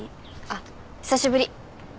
あっ久しぶり。